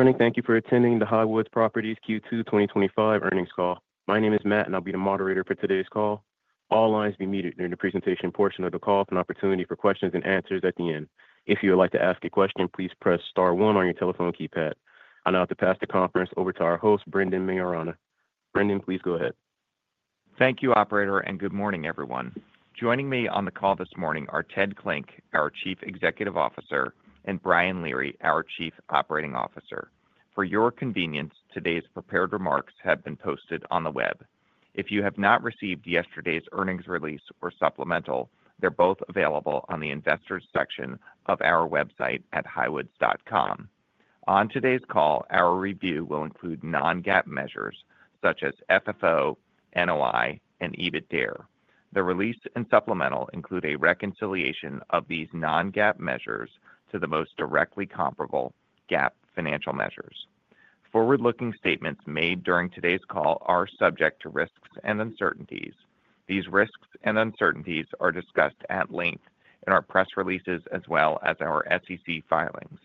Good morning. Thank you for attending the Highwoods Properties Q2 2025 earnings call. My name is Matt, and I'll be the moderator for today's call. All lines will be muted during the presentation portion of the call for an opportunity for questions and answers at the end. If you would like to ask a question, please press star one on your telephone keypad. I'm about to pass the conference over to our host, Brendan Maiorana. Brendan, please go ahead. Thank you, operator, and good morning, everyone. Joining me on the call this morning are Ted Klinck, our Chief Executive Officer, and Brian Leary, our Chief Operating Officer. For your convenience, today's prepared remarks have been posted on the web. If you have not received yesterday's earnings release or supplemental, they're both available on the investors section of our website at highwoods.com. On today's call, our review will include non-GAAP measures such as FFO, NOI, and EBITDA. The release and supplemental include a reconciliation of these non-GAAP measures to the most directly comparable GAAP financial measures. Forward-looking statements made during today's call are subject to risks and uncertainties. These risks and uncertainties are discussed at length in our press releases as well as our SEC filings.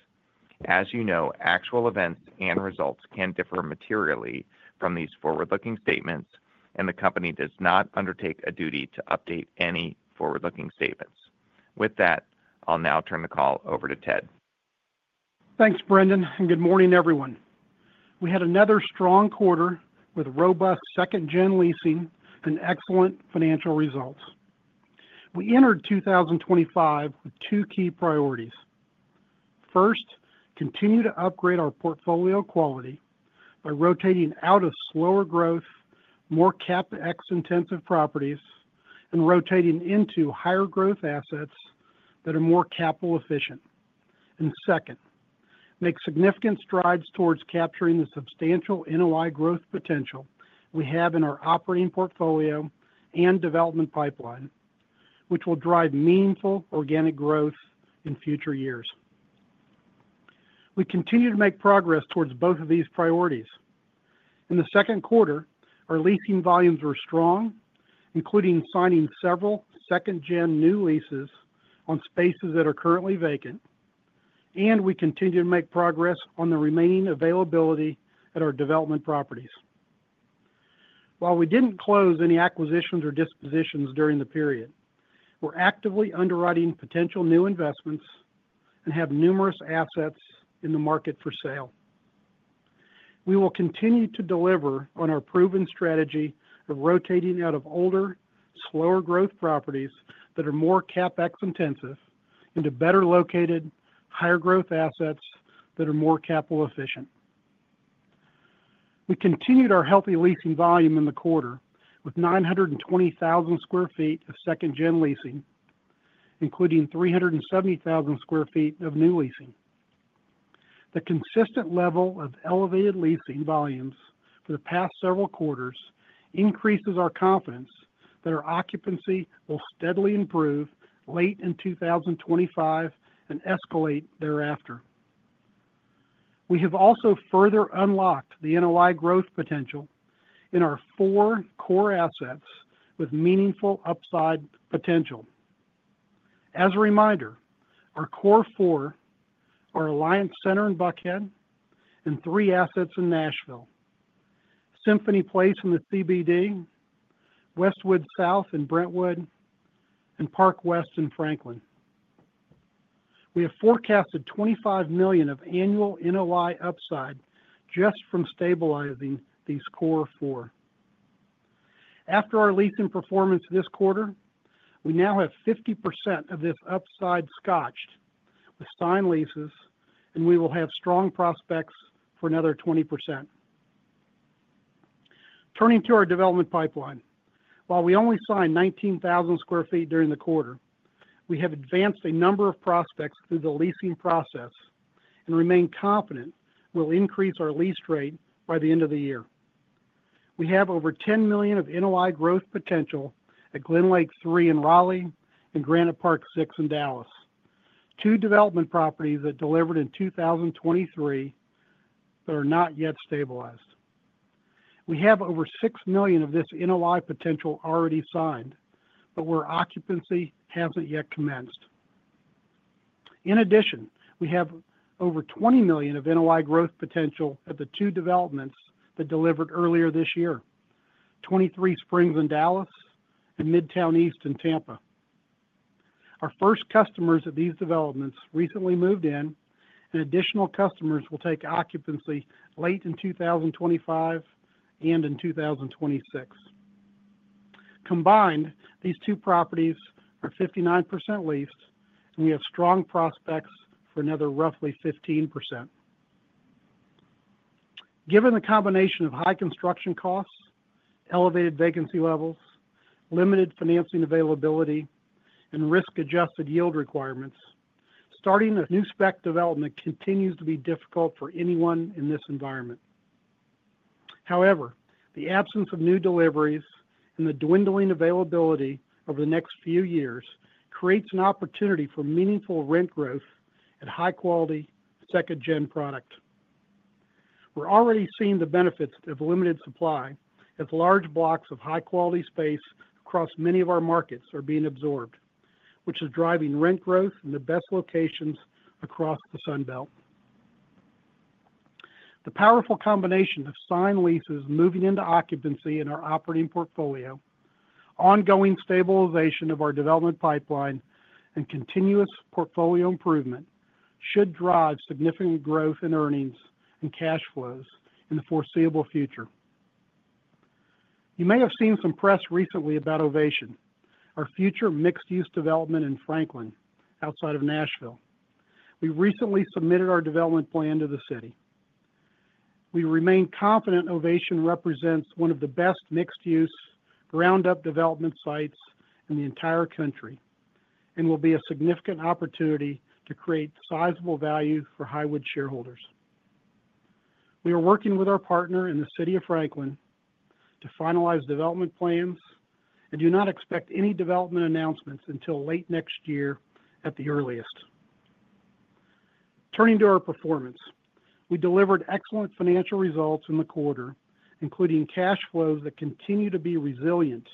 As you know, actual events and results can differ materially from these forward-looking statements, and the company does not undertake a duty to update any forward-looking statements. With that, I'll now turn the call over to Ted. Thanks, Brendan, and good morning, everyone. We had another strong quarter with robust second-gen leasing and excellent financial results. We entered 2025 with two key priorities. First, continue to upgrade our portfolio quality by rotating out of slower growth, more CapEx intensive properties, and rotating into higher growth assets that are more capital efficient. Second, make significant strides towards capturing the substantial NOI growth potential we have in our operating portfolio and development pipeline, which will drive meaningful organic growth in future years. We continue to make progress towards both of these priorities. In the second quarter, our leasing volumes were strong, including signing several second-gen new leases on spaces that are currently vacant, and we continue to make progress on the remaining availability at our development properties. While we didn't close any acquisitions or dispositions during the period, we're actively underwriting potential new investments and have numerous assets in the market for sale. We will continue to deliver on our proven strategy of rotating out of older, slower growth properties that are more CapEx intensive into better located higher growth assets that are more capital efficient. We continued our healthy leasing volume in the quarter with 920,000 sq ft of second-gen leasing, including 370,000 sq ft of new leasing. The consistent level of elevated leasing volumes for the past several quarters increases our confidence that our occupancy will steadily improve late in 2025 and escalate thereafter. We have also further unlocked the NOI growth potential in our core four assets with meaningful upside potential. As a reminder, our core four are Alliance Center in Buckhead and three assets in Nashville, Symphony Place in the CBD, Westwood South in Brentwood, and Park West in Franklin. We have forecasted $25 million of annual NOI upside just from stabilizing these core four. After our leasing performance this quarter, we now have 50% of this upside scotched with signed leases, and we will have strong prospects for another 20%. Turning to our development pipeline, while we only signed 19,000 sq ft during the quarter, we have advanced a number of prospects through the leasing process and remain confident we'll increase our lease rate by the end of the year. We have over $10 million of NOI growth potential at GlenLake III in Raleigh and Granite Park Six in Dallas, two development properties that delivered in 2023 that are not yet stabilized. We have over $6 million of this NOI potential already signed, but where occupancy hasn't yet commenced. In addition, we have over $20 million of NOI growth potential at the two developments that delivered earlier this year, 23Springs in Dallas and Midtown East in Tampa. Our first customers at these developments recently moved in, and additional customers will take occupancy late in 2025 and in 2026. Combined, these two properties are 59% leased, and we have strong prospects for another roughly 15%. Given the combination of high construction costs, elevated vacancy levels, limited financing availability, and risk-adjusted yield requirements, starting a new spec development continues to be difficult for anyone in this environment. However, the absence of new deliveries and the dwindling availability over the next few years creates an opportunity for meaningful rent growth at high-quality second-gen product. We're already seeing the benefits of limited supply as large blocks of high-quality space across many of our markets are being absorbed, which is driving rent growth in the best locations across the Sunbelt. The powerful combination of signed leases moving into occupancy in our operating portfolio, ongoing stabilization of our development pipeline, and continuous portfolio improvement should drive significant growth in earnings and cash flows in the foreseeable future. You may have seen some press recently about Ovation, our future mixed-use development in Franklin outside of Nashville. We recently submitted our development plan to the city. We remain confident Ovation represents one of the best mixed-use ground-up development sites in the entire country and will be a significant opportunity to create sizable value for Highwoods shareholders. We are working with our partner in the city of Franklin to finalize development plans and do not expect any development announcements until late next year at the earliest. Turning to our performance, we delivered excellent financial results in the quarter, including cash flows that continue to be resilient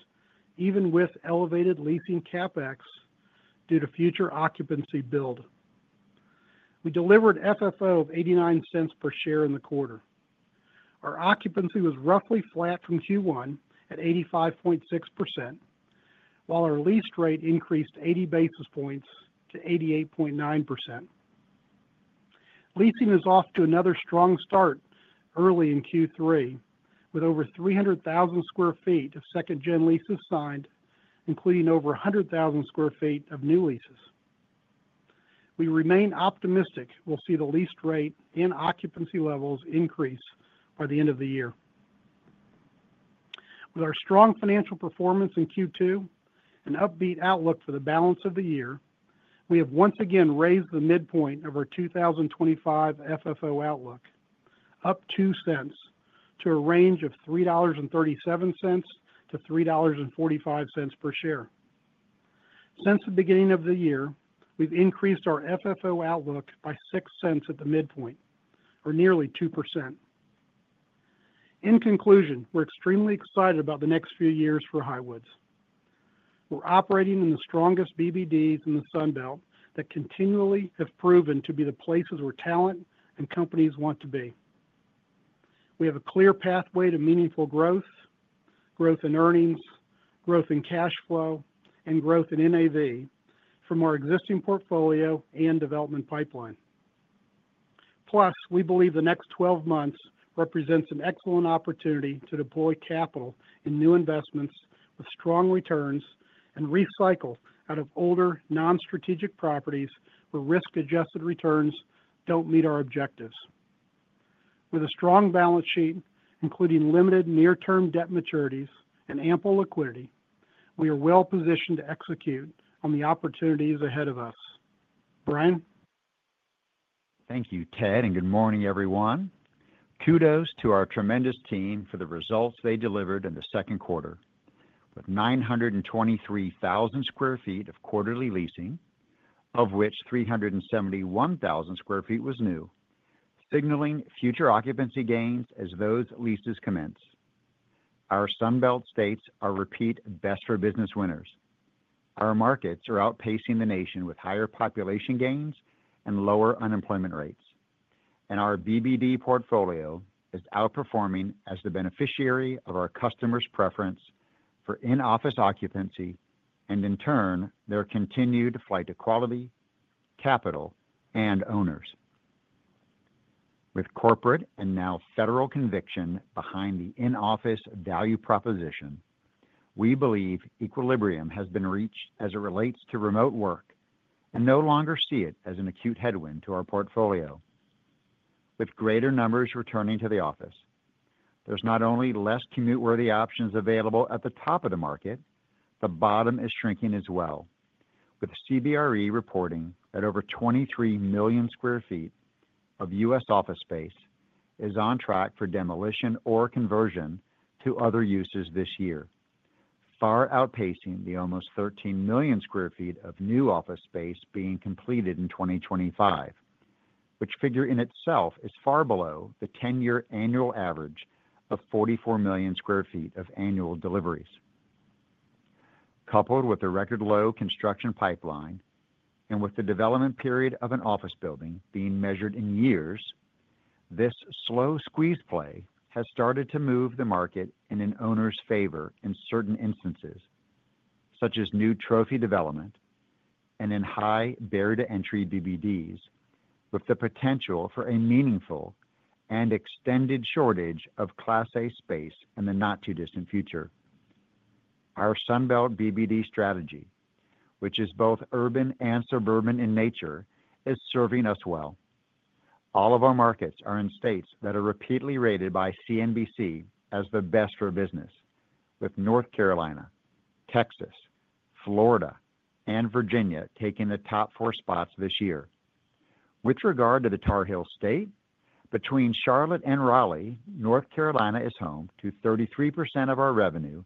even with elevated leasing CapEx due to future occupancy build. We delivered FFO of $0.89 per share in the quarter. Our occupancy was roughly flat from Q1 at 85.6%, while our lease rate increased 80 basis points to 88.9%. Leasing is off to another strong start early in Q3 with over 300,000 sq ft of second-gen leases signed, including over 100,000 sq ft of new leases. We remain optimistic we'll see the lease rate and occupancy levels increase by the end of the year. With our strong financial performance in Q2 and upbeat outlook for the balance of the year, we have once again raised the midpoint of our 2025 FFO outlook up $0.02 to a range of $3.37-$3.45 per share. Since the beginning of the year, we've increased our FFO outlook by $0.06 at the midpoint, or nearly 2%. In conclusion, we're extremely excited about the next few years for Highwoods Properties. We're operating in the strongest BBDs in the Sunbelt that continually have proven to be the places where talent and companies want to be. We have a clear pathway to meaningful growth, growth in earnings, growth in cash flow, and growth in NAV from our existing portfolio and development pipeline. Plus, we believe the next 12 months represents an excellent opportunity to deploy capital in new investments with strong returns and recycle out of older non-strategic properties where risk-adjusted returns don't meet our objectives. With a strong balance sheet, including limited near-term debt maturities and ample liquidity, we are well positioned to execute on the opportunities ahead of us. Brian. Thank you, Ted, and good morning, everyone. Kudos to our tremendous team for the results they delivered in the second quarter, with 923,000 sq ft of quarterly leasing, of which 371,000 sq ft was new, signaling future occupancy gains as those leases commence. Our Sunbelt states are repeat best for business winners. Our markets are outpacing the nation with higher population gains and lower unemployment rates, and our BBD portfolio is outperforming as the beneficiary of our customers' preference for in-office occupancy and, in turn, their continued flight to quality, capital, and owners. With corporate and now federal conviction behind the in-office value proposition, we believe equilibrium has been reached as it relates to remote work and no longer see it as an acute headwind to our portfolio. With greater numbers returning to the office, there's not only less commute-worthy options available at the top of the market, the bottom is shrinking as well, with CBRE reporting that over 23 million sq ft of U.S. office space is on track for demolition or conversion to other uses this year, far outpacing the almost 13 million sq ft of new office space being completed in 2025, which figure in itself is far below the 10-year annual average of 44 million sq ft of annual deliveries. Coupled with a record low construction pipeline and with the development period of an office building being measured in years, this slow squeeze play has started to move the market in an owner's favor in certain instances, such as new trophy development and in high barrier-to-entry BBDs, with the potential for a meaningful and extended shortage of Class A space in the not-too-distant future. Our Sunbelt BBD strategy, which is both urban and suburban in nature, is serving us well. All of our markets are in states that are repeatedly rated by CNBC as the best for business, with North Carolina, Texas, Florida, and Virginia taking the top four spots this year. With regard to the Tar Heel State, between Charlotte and Raleigh, North Carolina is home to 33% of our revenue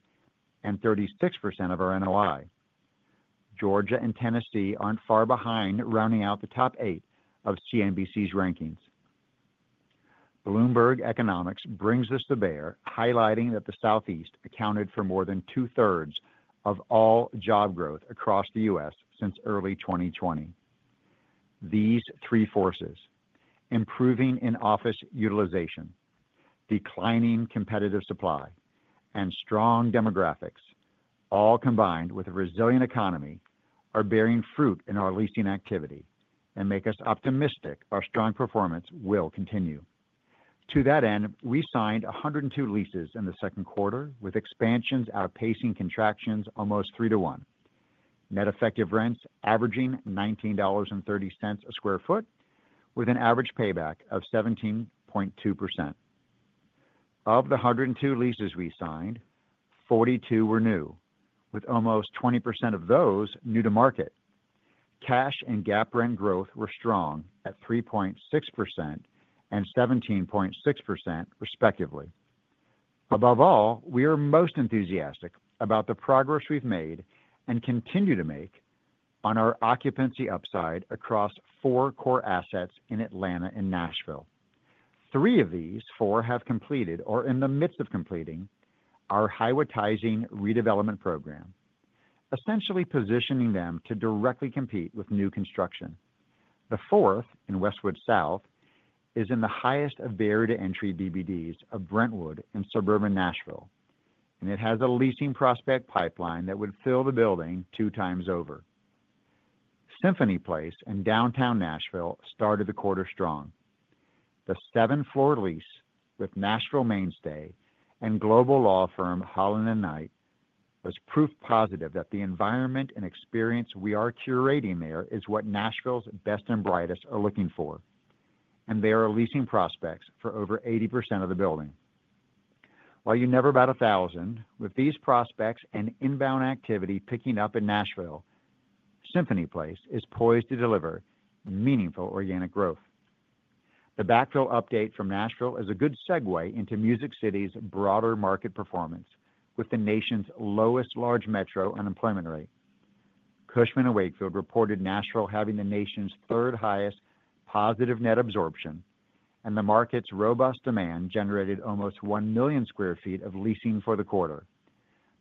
and 36% of our NOI. Georgia and Tennessee aren't far behind, rounding out the top eight of CNBC's rankings. Bloomberg Economics brings this to bear, highlighting that the Southeast accounted for more than two-thirds of all job growth across the U.S. since early 2020. These three forces: improving in-office utilization, declining competitive supply, and strong demographics, all combined with a resilient economy, are bearing fruit in our leasing activity and make us optimistic our strong performance will continue. To that end, we signed 102 leases in the second quarter, with expansions outpacing contractions almost three to one. Net effective rents averaging $19.30 a sq ft, with an average payback of 17.2%. Of the 102 leases we signed, 42 were new, with almost 20% of those new to market. Cash and GAAP rent growth were strong at 3.6% and 17.6% respectively. Above all, we are most enthusiastic about the progress we've made and continue to make on our occupancy upside across four core assets in Atlanta and Nashville. Three of these four have completed or are in the midst of completing our Hywatizing redevelopment program, essentially positioning them to directly compete with new construction. The fourth in Westwood South is in the highest of barrier-to-entry BBDs of Brentwood in suburban Nashville, and it has a leasing prospect pipeline that would fill the building two times over. Symphony Place in downtown Nashville started the quarter strong. The seven-floor lease with Nashville mainstay and global law firm Holland & Knight was proof positive that the environment and experience we are curating there is what Nashville's best and brightest are looking for, and there are leasing prospects for over 80% of the building. While you never buy 1,000, with these prospects and inbound activity picking up in Nashville, Symphony Place is poised to deliver meaningful organic growth. The backfill update from Nashville is a good segue into Music City's broader market performance with the nation's lowest large metro unemployment rate. Cushman & Wakefield reported Nashville having the nation's third highest positive net absorption, and the market's robust demand generated almost 1 million sq ft of leasing for the quarter,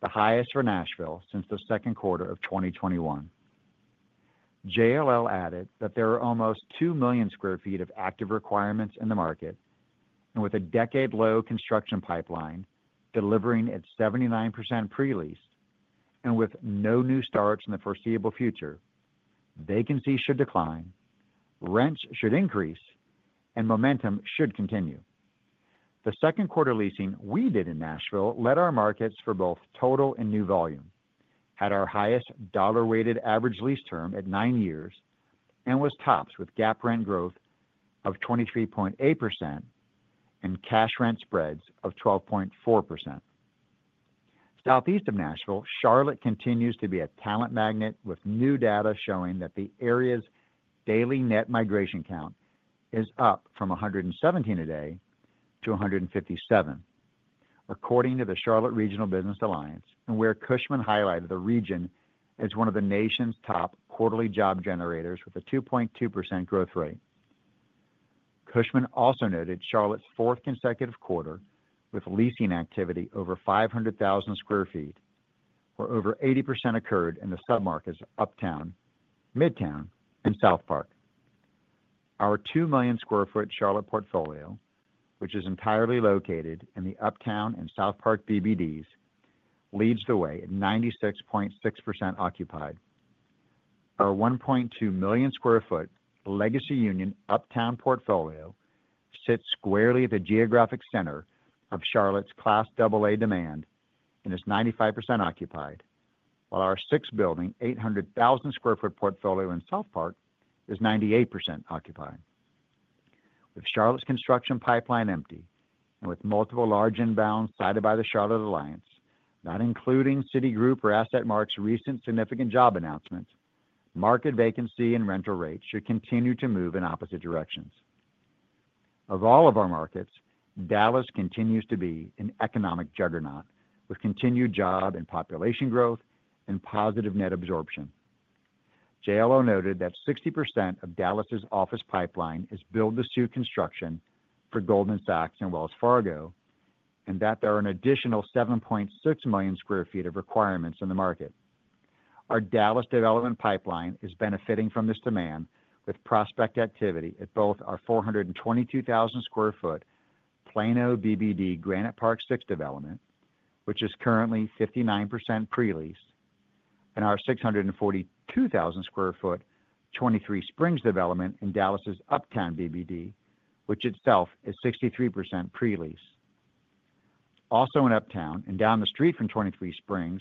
the highest for Nashville since the second quarter of 2021. JLL added that there are almost 2 million sq ft of active requirements in the market, and with a decade-low construction pipeline delivering at 79% pre-lease and with no new starts in the foreseeable future, vacancies should decline, rents should increase, and momentum should continue. The second quarter leasing we did in Nashville led our markets for both total and new volume, had our highest dollar-weighted average lease term at nine years, and was tops with GAAP rent growth of 23.8% and cash rent spreads of 12.4%. Southeast of Nashville, Charlotte continues to be a talent magnet with new data showing that the area's daily net migration count is up from 117 a day to 157, according to the Charlotte Regional Business Alliance, and where Cushman highlighted the region as one of the nation's top quarterly job generators with a 2.2% growth rate. Cushman also noted Charlotte's fourth consecutive quarter with leasing activity over 500,000 sq ft, where over 80% occurred in the submarkets Uptown, Midtown, and South Park. Our 2 million sq ft Charlotte portfolio, which is entirely located in the Uptown and South Park BBDs, leads the way at 96.6% occupied. Our 1.2 million sq ft Legacy Union Uptown portfolio sits squarely at the geographic center of Charlotte's Class AA demand and is 95% occupied, while our sixth building, 800,000 sq ft portfolio in South Park, is 98% occupied. With Charlotte's construction pipeline empty and with multiple large inbounds cited by the Charlotte Alliance, not including Citigroup or AssetMark's recent significant job announcements, market vacancy and rental rates should continue to move in opposite directions. Of all of our markets, Dallas continues to be an economic juggernaut with continued job and population growth and positive net absorption. JLL noted that 60% of Dallas's office pipeline is build-to-suit construction for Goldman Sachs and Wells Fargo, and that there are an additional 7.6 million sq ft of requirements in the market. Our Dallas development pipeline is benefiting from this demand with prospect activity at both our 422,000 sq ft Plano BBD Granite Park Six development, which is currently 59% pre-lease, and our 642,000 sq ft 23Springs development in Dallas's Uptown BBD, which itself is 63% pre-lease. Also in Uptown and down the street from 23Springs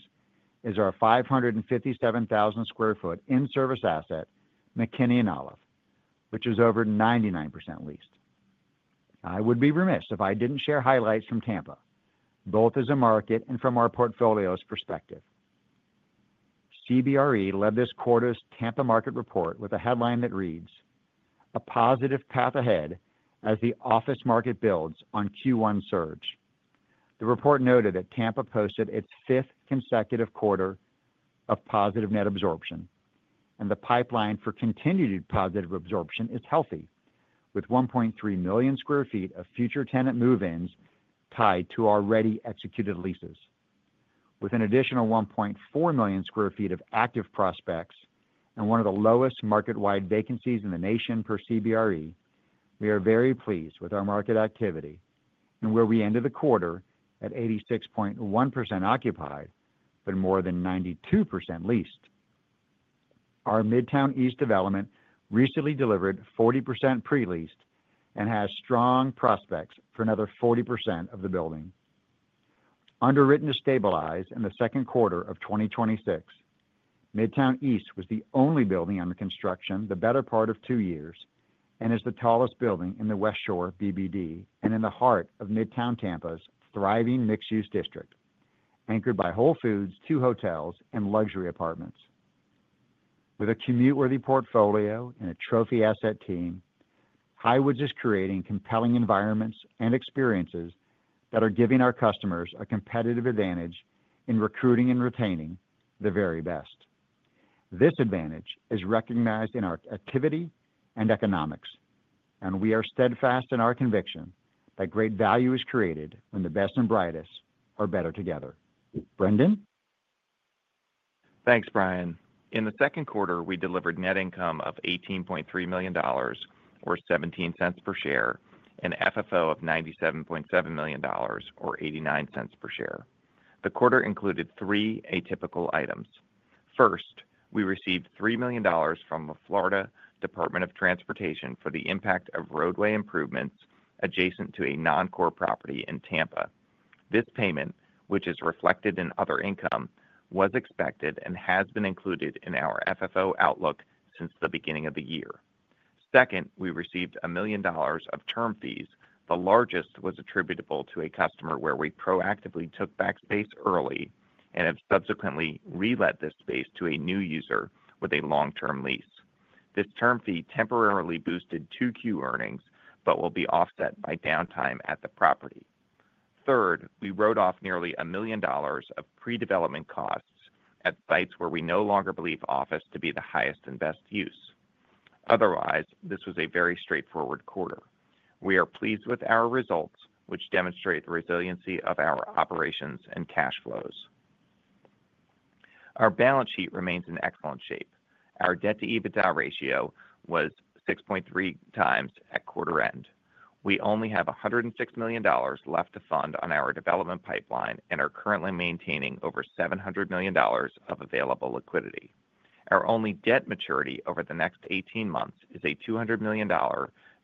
is our 557,000 sq ft in-service asset McKinney & Olive, which is over 99% leased. I would be remiss if I didn't share highlights from Tampa, both as a market and from our portfolio's perspective. CBRE led this quarter's Tampa market report with a headline that reads, "A positive path ahead as the office market builds on Q1 surge." The report noted that Tampa posted its fifth consecutive quarter of positive net absorption, and the pipeline for continued positive absorption is healthy, with 1.3 million sq ft of future tenant move-ins tied to already executed leases. With an additional 1.4 million sq ft of active prospects and one of the lowest market-wide vacancies in the nation per CBRE, we are very pleased with our market activity and where we ended the quarter at 86.1% occupied, but more than 92% leased. Our Midtown East development recently delivered 40% pre-leased and has strong prospects for another 40% of the building. Underwritten to stabilize in the second quarter of 2026, Midtown East was the only building under construction the better part of two years and is the tallest building in the West Shore BBD and in the heart of Midtown Tampa's thriving mixed-use district, anchored by Whole Foods, two hotels, and luxury apartments. With a commute-worthy portfolio and a trophy asset team, Highwoods is creating compelling environments and experiences that are giving our customers a competitive advantage in recruiting and retaining the very best. This advantage is recognized in our activity and economics, and we are steadfast in our conviction that great value is created when the best and brightest are better together. Brendan. Thanks, Brian. In the second quarter, we delivered net income of $18.3 million or $0.17 per share and FFO of $97.7 million or $0.89 per share. The quarter included three atypical items. First, we received $3 million from the Florida Department of Transportation for the impact of roadway improvements adjacent to a non-core property in Tampa. This payment, which is reflected in other income, was expected and has been included in our FFO outlook since the beginning of the year. Second, we received $1 million of term fees. The largest was attributable to a customer where we proactively took back space early and have subsequently re-let this space to a new user with a long-term lease. This term fee temporarily boosted Q2 earnings but will be offset by downtime at the property. Third, we wrote off nearly $1 million of pre-development costs at sites where we no longer believe office to be the highest and best use. Otherwise, this was a very straightforward quarter. We are pleased with our results, which demonstrate the resiliency of our operations and cash flows. Our balance sheet remains in excellent shape. Our debt-to-EBITDA ratio was 6.3 times at quarter end. We only have $106 million left to fund on our development pipeline and are currently maintaining over $700 million of available liquidity. Our only debt maturity over the next 18 months is a $200 million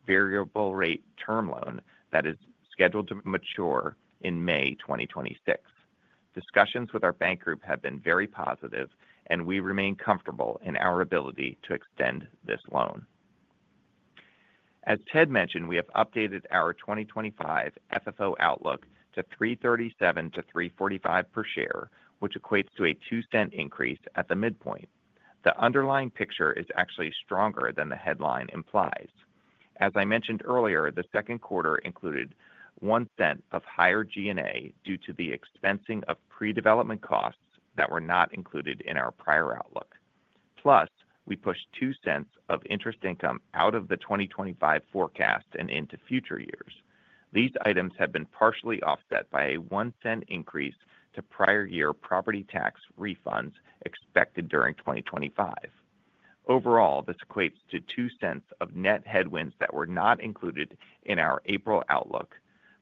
variable-rate term loan that is scheduled to mature in May 2026. Discussions with our bank group have been very positive, and we remain comfortable in our ability to extend this loan. As Ted mentioned, we have updated our 2025 FFO outlook to $3.37-$3.45 per share, which equates to a $0.02 increase at the midpoint. The underlying picture is actually stronger than the headline implies. As I mentioned earlier, the second quarter included $0.01 of higher G&A due to the expensing of pre-development costs that were not included in our prior outlook. Plus, we pushed $0.02 of interest income out of the 2025 forecast and into future years. These items have been partially offset by a $0.01 increase to prior-year property tax refunds expected during 2025. Overall, this equates to $0.02 of net headwinds that were not included in our April outlook,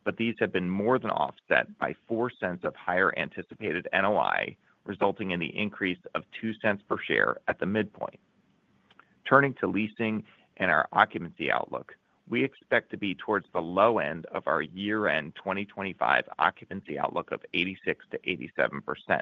but these have been more than offset by $0.04 of higher anticipated NOI, resulting in the increase of $0.02 per share at the midpoint. Turning to leasing and our occupancy outlook, we expect to be towards the low end of our year-end 2025 occupancy outlook of 86%-87%,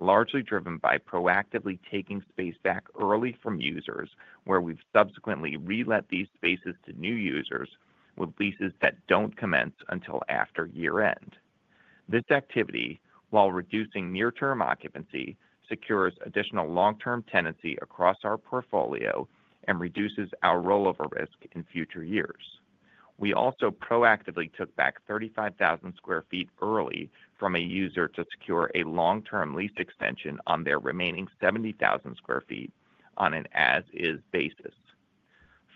largely driven by proactively taking space back early from users where we've subsequently re-let these spaces to new users with leases that don't commence until after year-end. This activity, while reducing near-term occupancy, secures additional long-term tenancy across our portfolio and reduces our rollover risk in future years. We also proactively took back 35,000 sq ft early from a user to secure a long-term lease extension on their remaining 70,000 sq ft on an as-is basis.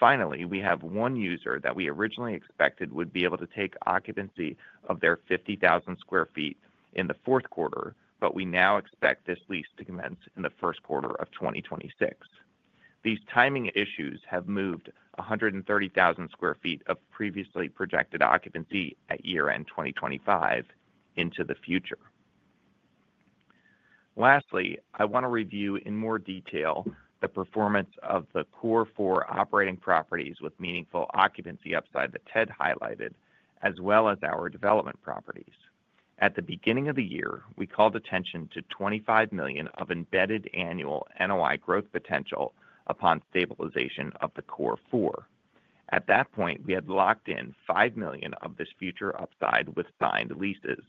Finally, we have one user that we originally expected would be able to take occupancy of their 50,000 sq ft in the fourth quarter, but we now expect this lease to commence in the first quarter of 2026. These timing issues have moved 130,000 sq ft of previously projected occupancy at year-end 2025 into the future. Lastly, I want to review in more detail the performance of the core four operating properties with meaningful occupancy upside that Ted highlighted, as well as our development properties. At the beginning of the year, we called attention to $25 million of embedded annual NOI growth potential upon stabilization of the core four. At that point, we had locked in $5 million of this future upside with signed leases.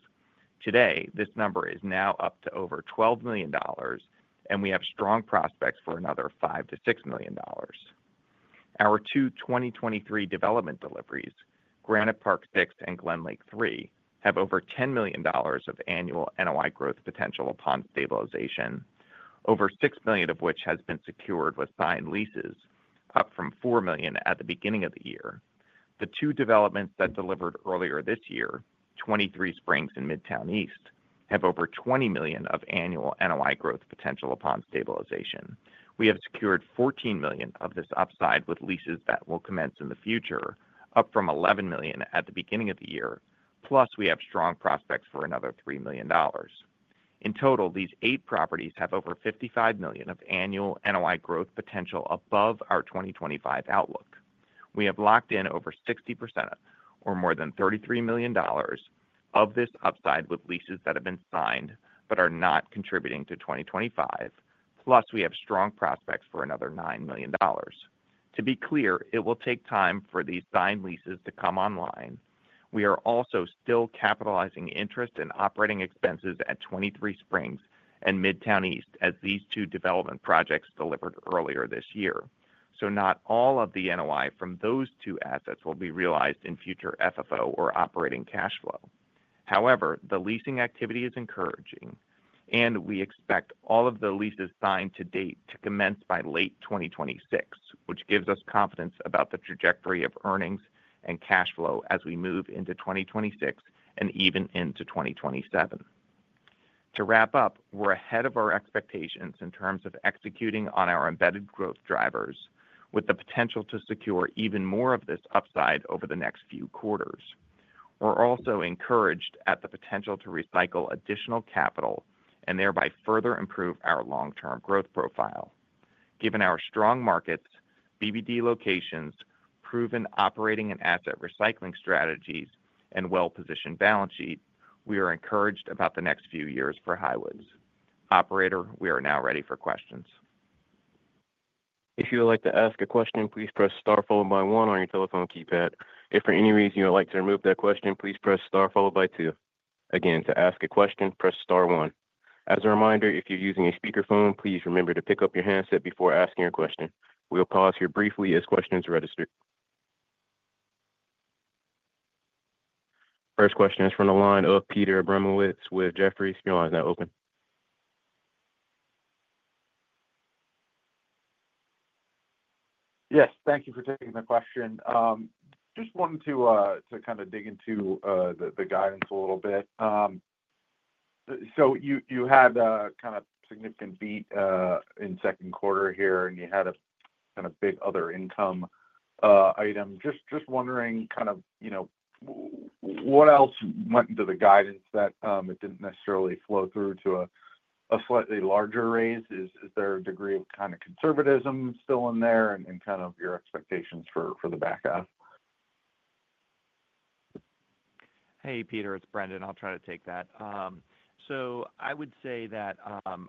Today, this number is now up to over $12 million, and we have strong prospects for another $5 million-$6 million. Our two 2023 development deliveries, Granite Park Six and GlenLake III, have over $10 million of annual NOI growth potential upon stabilization, over $6 million of which has been secured with signed leases, up from $4 million at the beginning of the year. The two developments that delivered earlier this year, 23Springs and Midtown East, have over $20 million of annual NOI growth potential upon stabilization. We have secured $14 million of this upside with leases that will commence in the future, up from $11 million at the beginning of the year, plus we have strong prospects for another $3 million. In total, these eight properties have over $55 million of annual NOI growth potential above our 2025 outlook. We have locked in over 60% or more than $33 million of this upside with leases that have been signed but are not contributing to 2025, plus we have strong prospects for another $9 million. To be clear, it will take time for these signed leases to come online. We are also still capitalizing interest and operating expenses at 23Springs and Midtown East as these two development projects delivered earlier this year, so not all of the NOI from those two assets will be realized in future FFO or operating cash flow. However, the leasing activity is encouraging, and we expect all of the leases signed to date to commence by late 2026, which gives us confidence about the trajectory of earnings and cash flow as we move into 2026 and even into 2027. To wrap up, we're ahead of our expectations in terms of executing on our embedded growth drivers with the potential to secure even more of this upside over the next few quarters. We're also encouraged at the potential to recycle additional capital and thereby further improve our long-term growth profile. Given our strong markets, BBD locations, proven operating and asset recycling strategies, and well-positioned balance sheet, we are encouraged about the next few years for Highwoods Properties. Operator, we are now ready for questions. If you would like to ask a question, please press star followed by one on your telephone keypad. If for any reason you would like to remove that question, please press star followed by two. Again, to ask a question, press star one. As a reminder, if you're using a speakerphone, please remember to pick up your handset before asking your question. We'll pause here briefly as questions register. First question is from the line of Peter Abramowitz with Jefferies. Speaker line's now open. Yes, thank you for taking the question. I just wanted to kind of dig into the guidance a little bit. You had a kind of significant beat in the second quarter here, and you had a kind of big other income item. Just wondering, you know, what else went into the guidance that it didn't necessarily flow through to a slightly larger raise? Is there a degree of kind of conservatism still in there and your expectations for the backup? Hey, Peter, it's Brendan. I'll try to take that. I would say that, as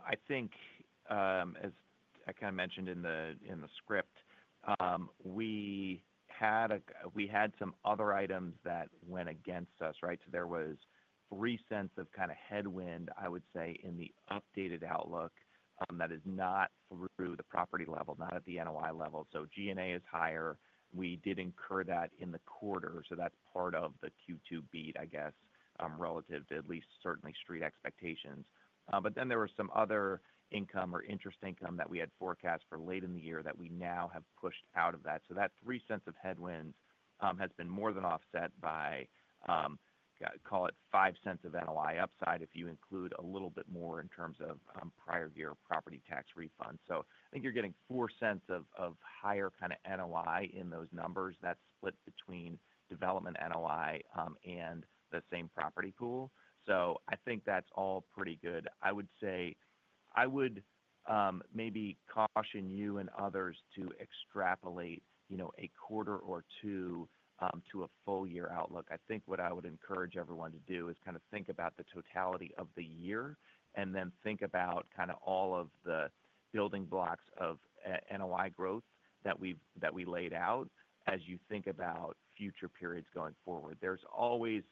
I kind of mentioned in the script, we had some other items that went against us, right? There was $0.03 of kind of headwind, I would say, in the updated outlook, that is not through the property level, not at the NOI level. G&A is higher. We did incur that in the quarter, so that's part of the Q2 beat, I guess, relative to at least certainly street expectations. There were some other income or interest income that we had forecast for late in the year that we now have pushed out of that. That $0.03 of headwinds has been more than offset by, call it, $0.05 of NOI upside if you include a little bit more in terms of prior year property tax refunds. I think you're getting $0.04 of higher kind of NOI in those numbers that's split between development NOI and the same property pool. I think that's all pretty good. I would maybe caution you and others to extrapolate a quarter or two to a full-year outlook. I think what I would encourage everyone to do is kind of think about the totality of the year and then think about all of the building blocks of NOI growth that we laid out as you think about future periods going forward. There's always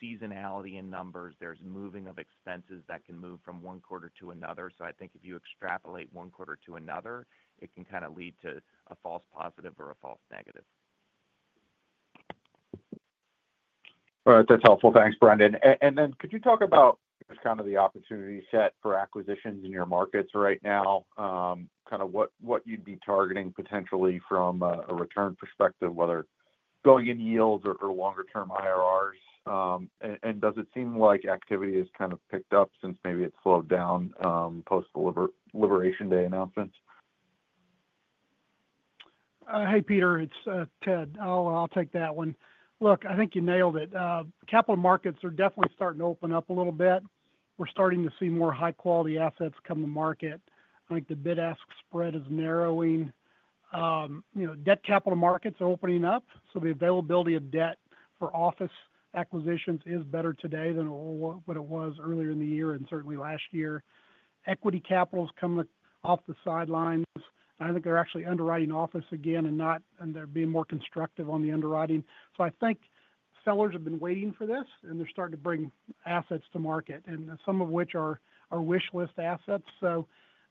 some seasonality in numbers. There's moving of expenses that can move from one quarter to another. I think if you extrapolate one quarter to another, it can kind of lead to a false positive or a false negative. All right. That's helpful. Thanks, Brendan. Could you talk about the opportunity set for acquisitions in your markets right now? What you'd be targeting potentially from a return perspective, whether going in yields or longer-term IRRs? Does it seem like activity has picked up since maybe it slowed down, post-Liberation Day announcements? Hey, Peter. It's Ted. I'll take that one. Look, I think you nailed it. Capital markets are definitely starting to open up a little bit. We're starting to see more high-quality assets come to market. I think the bid-ask spread is narrowing. You know, debt capital markets are opening up, so the availability of debt for office acquisitions is better today than what it was earlier in the year and certainly last year. Equity capital is coming off the sidelines. I think they're actually underwriting office again, and they're being more constructive on the underwriting. I think sellers have been waiting for this, and they're starting to bring assets to market, some of which are our wishlist assets. There is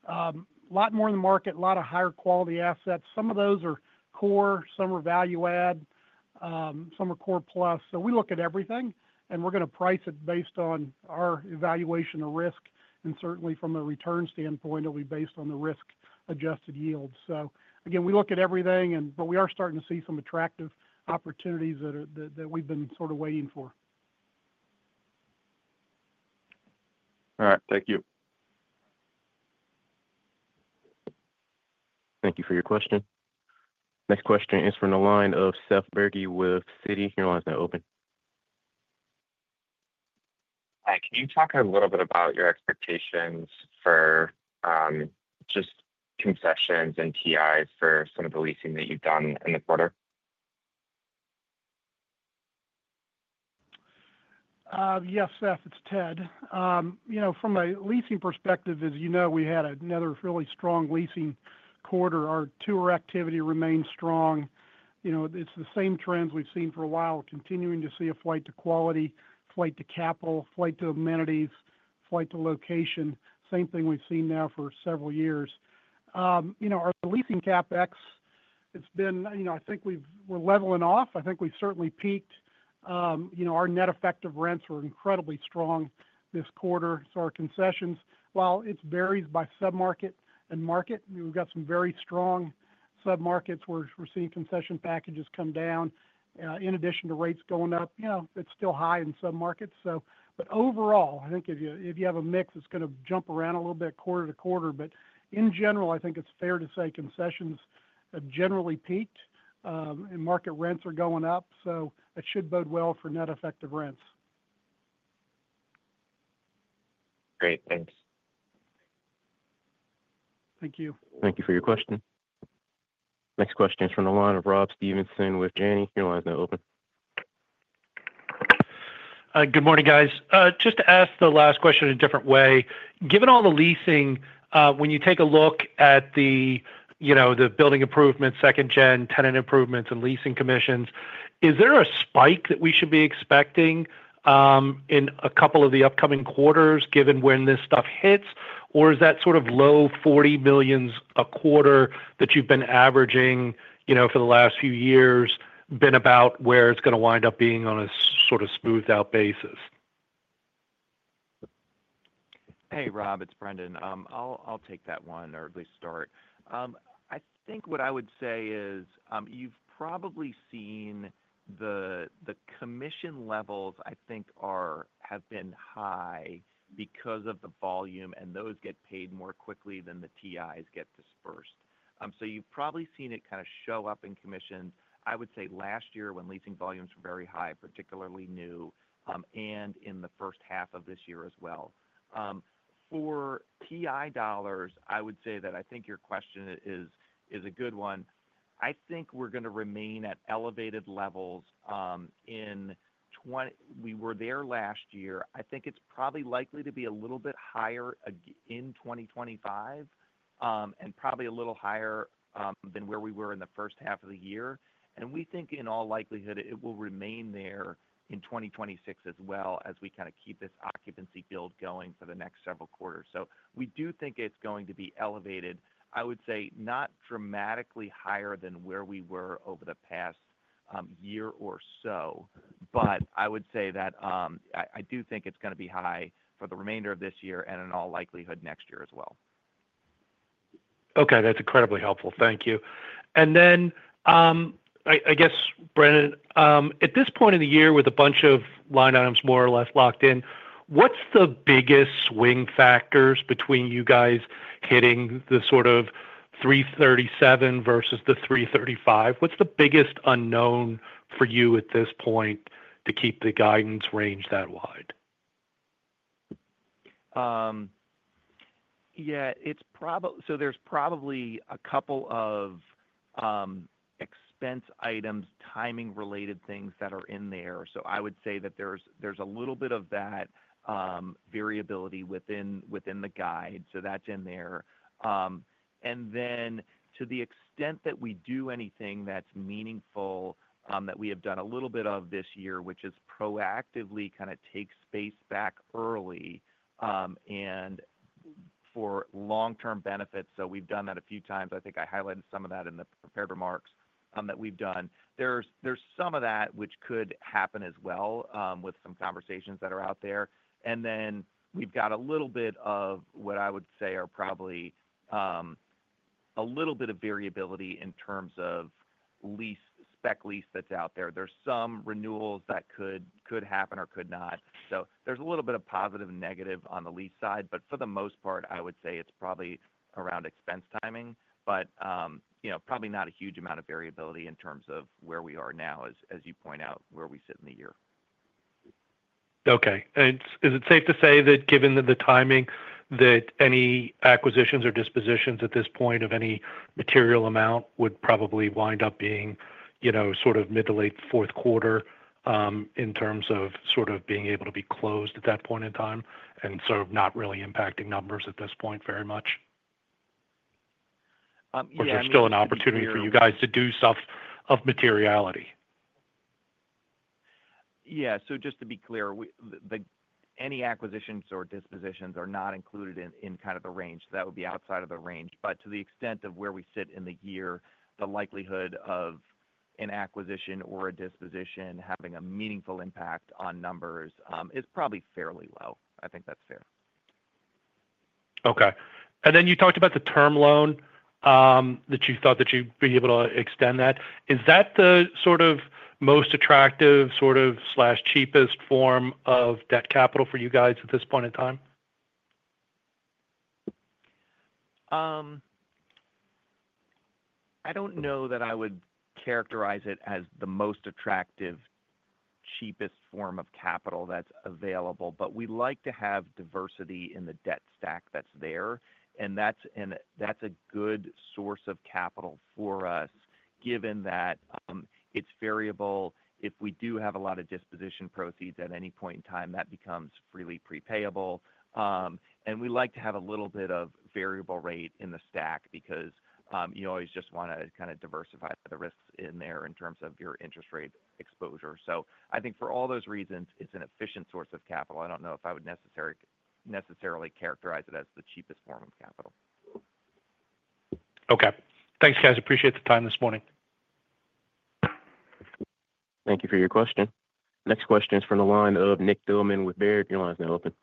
a lot more in the market, a lot of higher-quality assets. Some of those are core, some are value-add, some are core plus. We look at everything, and we're going to price it based on our evaluation of risk. Certainly, from a return standpoint, it'll be based on the risk-adjusted yield. We look at everything, and we are starting to see some attractive opportunities that we've been sort of waiting for. All right, thank you. Thank you for your question. Next question is from the line of Seth Berge with Citi. Your line's now open. Hi. Can you talk a little bit about your expectations for just concessions and TIs for some of the leasing that you've done in the quarter? Yes, Seth. It's Ted. From a leasing perspective, as you know, we had another really strong leasing quarter. Our tour activity remains strong. It's the same trends we've seen for a while, continuing to see a flight to quality, flight to capital, flight to amenities, flight to location. Same thing we've seen now for several years. Our leasing CapEx, I think we're leveling off. I think we certainly peaked. Our net effective rents were incredibly strong this quarter. Our concessions, while it varies by submarket and market, we've got some very strong submarkets where we're seeing concession packages come down. In addition to rates going up, it's still high in submarkets. Overall, I think if you have a mix, it's going to jump around a little bit quarter to quarter. In general, I think it's fair to say concessions have generally peaked, and market rents are going up. It should bode well for net effective rents. Great. Thanks. Thank you. Thank you for your question. Next question is from the line of Rob Stevenson with Janney Montgomery. Your line's now open. Good morning, guys. Just to ask the last question in a different way, given all the leasing, when you take a look at the building improvements, second-gen tenant improvements, and leasing commissions, is there a spike that we should be expecting in a couple of the upcoming quarters given when this stuff hits, or is that sort of low $40 million a quarter that you've been averaging for the last few years about where it's going to wind up being on a sort of smoothed-out basis? Hey, Rob. It's Brendan. I'll take that one or at least start. I think what I would say is, you've probably seen the commission levels, I think, have been high because of the volume, and those get paid more quickly than the TIs get dispersed. You've probably seen it kind of show up in commissions, I would say last year when leasing volumes were very high, particularly new, and in the first half of this year as well. For TI dollars, I would say that I think your question is a good one. I think we're going to remain at elevated levels. In 2023 we were there last year. I think it's probably likely to be a little bit higher in 2025, and probably a little higher than where we were in the first half of the year. We think in all likelihood it will remain there in 2026 as well as we kind of keep this occupancy build going for the next several quarters. We do think it's going to be elevated, I would say not dramatically higher than where we were over the past year or so, but I would say that I do think it's going to be high for the remainder of this year and in all likelihood next year as well. Okay. That's incredibly helpful. Thank you. I guess, Brendan, at this point in the year with a bunch of line items more or less locked in, what's the biggest swing factors between you guys hitting the sort of $3.37 versus the $3.35? What's the biggest unknown for you at this point to keep the guidance range that wide? Yeah, it's probably so there's probably a couple of expense items, timing-related things that are in there. I would say that there's a little bit of that variability within the guide, so that's in there. To the extent that we do anything that's meaningful, that we have done a little bit of this year, which is proactively kind of take space back early for long-term benefits, we've done that a few times. I think I highlighted some of that in the prepared remarks that we've done. There's some of that which could happen as well, with some conversations that are out there. We've got a little bit of what I would say are probably a little bit of variability in terms of lease, spec lease that's out there. There's some renewals that could happen or could not. There's a little bit of positive and negative on the lease side, but for the most part, I would say it's probably around expense timing, but, you know, probably not a huge amount of variability in terms of where we are now, as you point out, where we sit in the year. Is it safe to say that given the timing that any acquisitions or dispositions at this point of any material amount would probably wind up being sort of mid to late fourth quarter, in terms of being able to be closed at that point in time and so not really impacting numbers at this point very much? Yeah. Is there still an opportunity for you guys to do stuff of materiality? Yeah. Just to be clear, any acquisitions or dispositions are not included in the range. That would be outside of the range. To the extent of where we sit in the year, the likelihood of an acquisition or a disposition having a meaningful impact on numbers is probably fairly low. I think that's fair. Okay. You talked about the term loan, that you thought that you'd be able to extend that. Is that the most attractive/cheapest form of debt capital for you guys at this point in time? I don't know that I would characterize it as the most attractive, cheapest form of capital that's available, but we like to have diversity in the debt stack that's there. That's a good source of capital for us given that it's variable. If we do have a lot of disposition proceeds at any point in time, that becomes freely prepayable. We like to have a little bit of variable rate in the stack because you always just want to kind of diversify the risks in there in terms of your interest rate exposure. I think for all those reasons, it's an efficient source of capital. I don't know if I would necessarily characterize it as the cheapest form of capital. Okay, thanks, guys. Appreciate the time this morning. Thank you for your question. Next question is from the line of Nick Thillman with Baird. Your line's now open.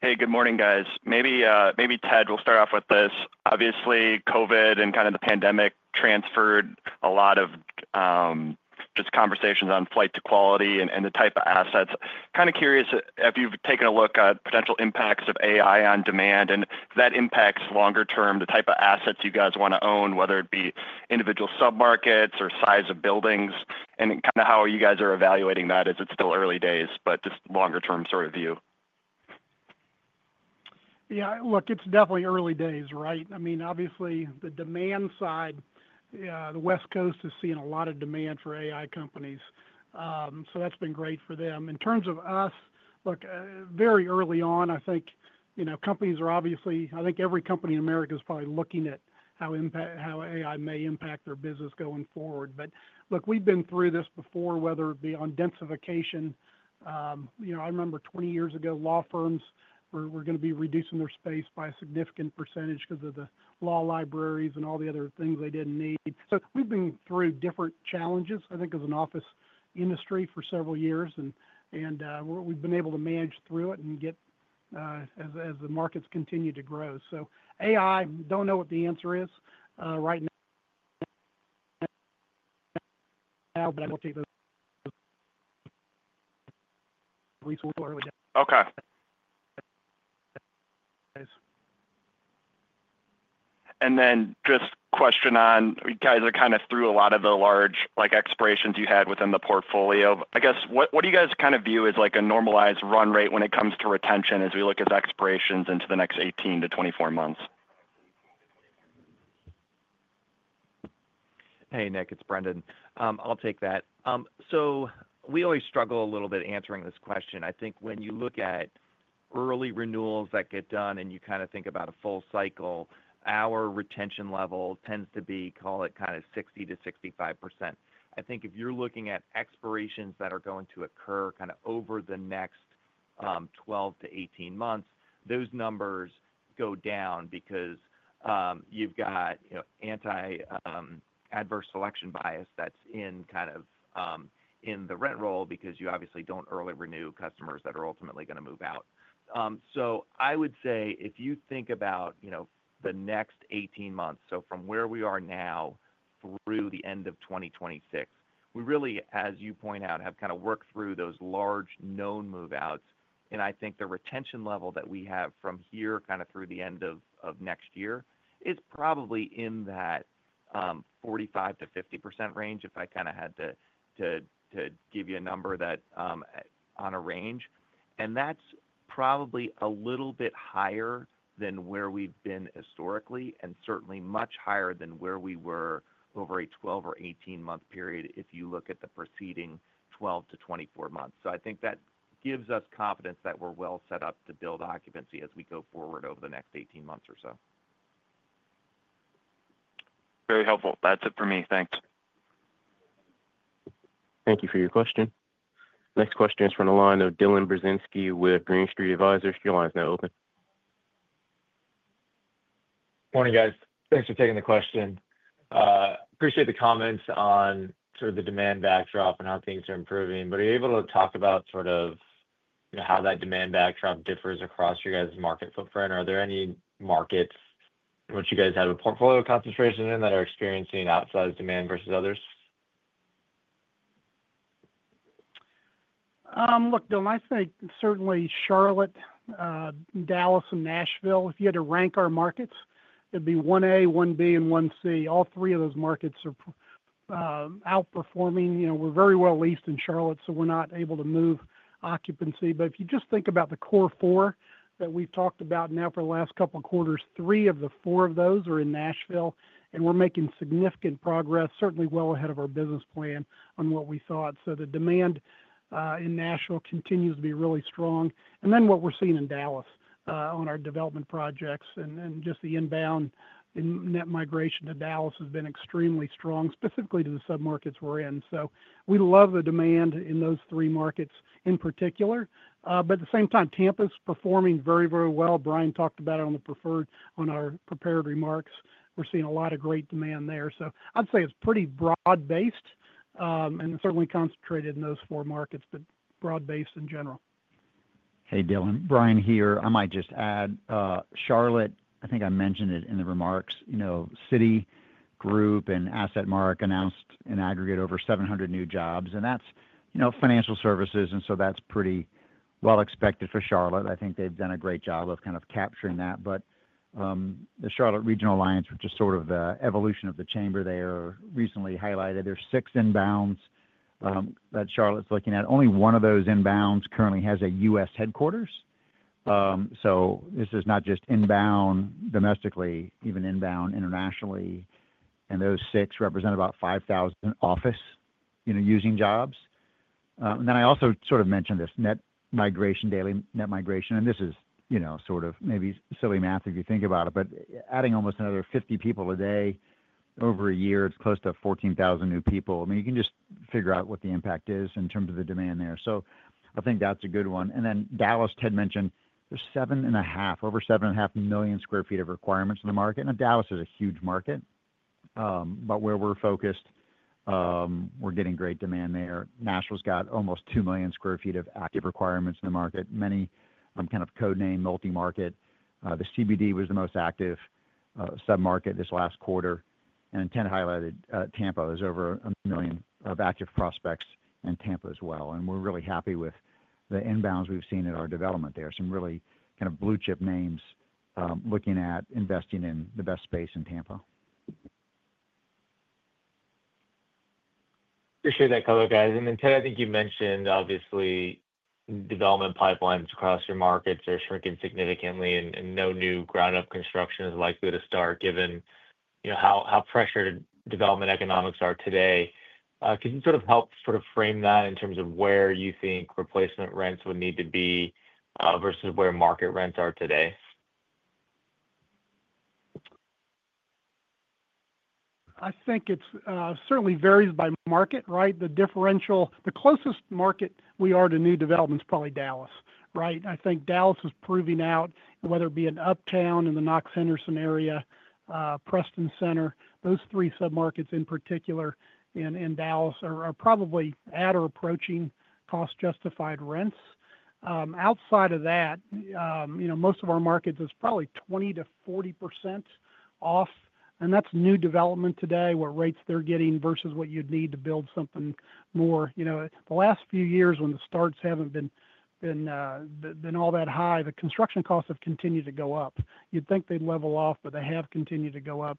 Hey, good morning, guys. Maybe, Ted, we'll start off with this. Obviously, COVID and the pandemic transferred a lot of conversations on flight to quality and the type of assets. Kind of curious, have you taken a look at potential impacts of AI on demand? That impacts longer-term the type of assets you guys want to own, whether it be individual submarkets or size of buildings, and how you guys are evaluating that as it's still early days, but just longer-term sort of view? Yeah. Look, it's definitely early days, right? I mean, obviously, the demand side, the West Coast is seeing a lot of demand for AI companies, so that's been great for them. In terms of us, look, very early on, I think every company in America is probably looking at how AI may impact their business going forward. We've been through this before, whether it be on densification. I remember 20 years ago, law firms were going to be reducing their space by a significant percentage because of the law libraries and all the other things they didn't need. We've been through different challenges, I think, as an office industry for several years, and we've been able to manage through it and get, as the markets continue to grow. AI, don't know what the answer is right now, but I will take those at least a little early. Okay. Just a question on you guys are kind of through a lot of the large expirations you had within the portfolio. I guess, what do you guys kind of view as a normalized run rate when it comes to retention as we look at expirations into the next 18-24 months? Hey, Nick. It's Brendan. I'll take that. We always struggle a little bit answering this question. I think when you look at early renewals that get done and you kind of think about a full cycle, our retention level tends to be, call it, kind of 60 to 65%. I think if you're looking at expirations that are going to occur kind of over the next 12-18 months, those numbers go down because you've got, you know, adverse selection bias that's in the rent roll because you obviously don't early renew customers that are ultimately going to move out. I would say if you think about the next 18 months, so from where we are now through the end of 2026, we really, as you point out, have kind of worked through those large known move-outs. I think the retention level that we have from here through the end of next year is probably in that 45%-50% range if I had to give you a number on a range. That's probably a little bit higher than where we've been historically and certainly much higher than where we were over a 12 or 18-month period if you look at the preceding 12-24 months. I think that gives us confidence that we're well set up to build occupancy as we go forward over the next 18 months or so. Very helpful. That's it for me. Thanks. Thank you for your question. Next question is from the line of Dylan Burzinski with Green Street. Your line's now open. Morning, guys. Thanks for taking the question. I appreciate the comments on sort of the demand backdrop and how things are improving. Are you able to talk about how that demand backdrop differs across your guys' market footprint? Are there any markets in which you guys have a portfolio concentration that are experiencing outsized demand versus others? Look, Dylan, I'd say certainly Charlotte, Dallas, and Nashville. If you had to rank our markets, it'd be 1A, 1B, and 1C. All three of those markets are outperforming. You know, we're very well leased in Charlotte, so we're not able to move occupancy. If you just think about the core four that we've talked about now for the last couple of quarters, three of the four of those are in Nashville, and we're making significant progress, certainly well ahead of our business plan on what we thought. The demand in Nashville continues to be really strong. What we're seeing in Dallas, on our development projects and just the inbound and net migration to Dallas, has been extremely strong, specifically to the submarkets we're in. We love the demand in those three markets in particular. At the same time, Tampa's performing very, very well. Brian talked about it on our prepared remarks. We're seeing a lot of great demand there. I'd say it's pretty broad-based, and certainly concentrated in those four markets, but broad-based in general. Hey, Dylan. Brian here. I might just add, Charlotte, I think I mentioned it in the remarks, you know, Citigroup and AssetMark announced in aggregate over 700 new jobs. That's, you know, financial services, and that's pretty well expected for Charlotte. I think they've done a great job of kind of capturing that. The Charlotte Regional Alliance, which is sort of the evolution of the chamber, recently highlighted there's six inbounds that Charlotte's looking at. Only one of those inbounds currently has a U.S. headquarters. This is not just inbound domestically, even inbound internationally. Those six represent about 5,000 office-using jobs. I also sort of mentioned this net migration, daily net migration. This is, you know, sort of maybe silly math if you think about it, but adding almost another 50 people a day over a year, it's close to 14,000 new people. You can just figure out what the impact is in terms of the demand there. I think that's a good one. Dallas, Ted mentioned, there's over 7.5 million sq ft of requirements in the market. Dallas is a huge market, but where we're focused, we're getting great demand there. Nashville's got almost 2 million sq ft of active requirements in the market. Many are kind of code-named multi-market. The CBD was the most active submarket this last quarter. Ted highlighted Tampa has over a million of active prospects in Tampa as well. We're really happy with the inbounds we've seen at our development. There are some really kind of blue-chip names looking at investing in the best space in Tampa. Appreciate that comment, guys. Ted, I think you mentioned, obviously, development pipelines across your markets are shrinking significantly, and no new ground-up construction is likely to start given how pressured development economics are today. Could you sort of help frame that in terms of where you think replacement rents would need to be versus where market rents are today? I think it certainly varies by market, right? The differential, the closest market we are to new development is probably Dallas, right? I think Dallas is proving out whether it be in Uptown and the Knox-Henderson area, Preston Center, those three submarkets in Dallas are probably at or approaching cost-justified rents. Outside of that, most of our markets is probably 20%-40% off. That's new development today where rates they're getting versus what you'd need to build something more. The last few years when the starts haven't been all that high, the construction costs have continued to go up. You'd think they'd level off, but they have continued to go up.